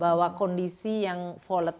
bahwa kondisi yang volatile dan hostile